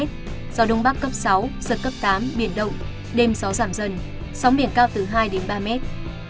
gió đông bắc cấp sáu giật cấp tám biển động đêm gió giảm dần sóng biển cao từ hai đến ba mét